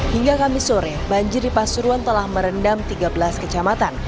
hingga kamis sore banjir di pasuruan telah merendam tiga belas kecamatan